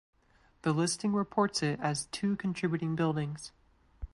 The listing reports it as two contributing buildings.